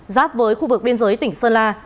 giáp với khu vực biên giới tỉnh sơn la